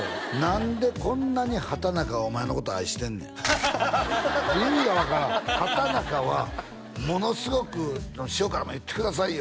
何でこんなに畠中はお前のこと愛してんねん意味が分からん畠中はものすごく師匠からも言ってくださいよ